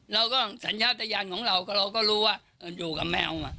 เราก็สัญญาตยานของเราก็รู้ว่าอยู่กับแมว